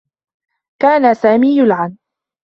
كان سامي يلعن.